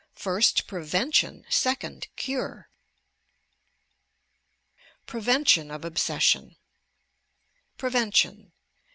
First prevention, second cure ! PREVENTION OP OBSESSION Prevention.